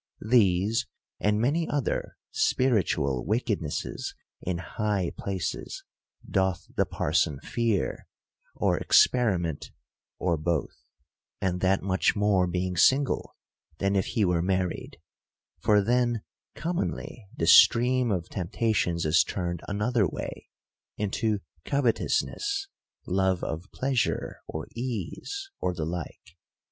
These, and many other spiritual loickednesses in high places doth the parson fear, or experiment, or both : and that much more being single, than if he were married ; for then commonly the stream of tempt ations is turned another way, into covetousness, love of pleasure or ease, or the like.